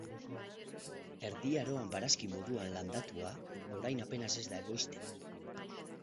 Erdi Aroan barazki moduan landatua, orain apenas ez da ekoizten.